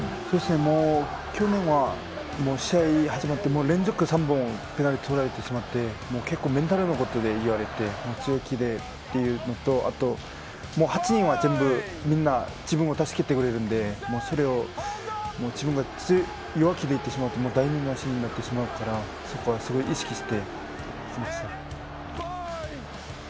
去年は試合が始まって連続でペナルティーを取られてしまってメンタルのことで言われて強気でというのとあとは、もう８人がみんな自分を助けてくれるのでそこで自分が弱気でいてしまうと台無しになってしまうからそこはすごい意識していました。